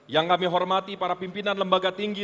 dan kuat itu seperti lalu lagi